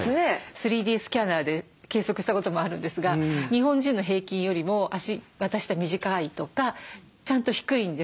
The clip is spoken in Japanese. ３Ｄスキャナーで計測したこともあるんですが日本人の平均よりも脚股下短いとかちゃんと低いんですよ。